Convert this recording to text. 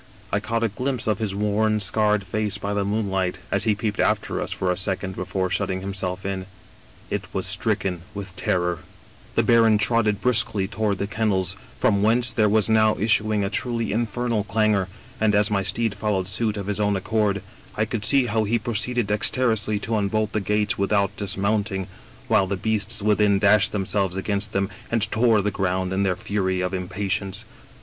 I caught a glimpse of his worn, scarred face by the moonlight, as he peeped after us for a second before shutting himself in ; it was stricken with terror. 130 Egerton Castle " The baron trotted briskly toward the kennels, from whence there was now issuing a truly infernal clangor, and^ as my steed followed suit of his own accord, I could see how he proceeded dexterously to unbolt the gates with out dismounting, while the beasts within dashed them selves against them and tore the ground in their fury of impatience.